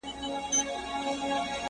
o څه مور لنگه، څه ترور لنگه٫